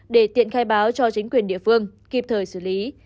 để tiện khai báo cho chính quyền địa phương kịp thời xử lý